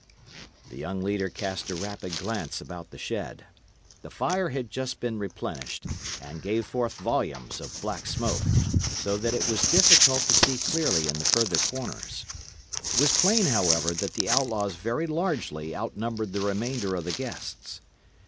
The young leader cast a rapid glance about the shed. The fire had just been replenished, and gave forth volumes of black smoke, so that it was difficult to see clearly in the further corners. It was plain, however, that the outlaws very largely outnumbered the remainder of the guests.